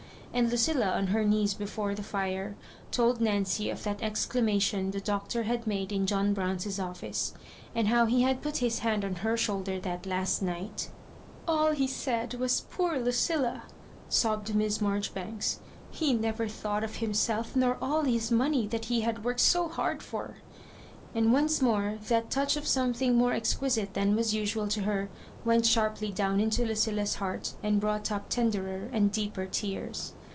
And Lucilla, on her knees before the fire, told Nancy of that exclama tion the Doctor had made in John Brown's office, and how he had put his hand on her shoulder that last night " All he said was Poor Lucilla I " sobbed Miss Marjoribanks ; "he never thought of himself nor all his money that he had worked so hard for;" and once more that touch of some thing more exquisite than was usual to her went sharply down into Lucilla's heart and brought up tenderer and deeper tears.